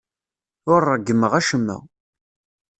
Ur ṛeggmeɣ acemma.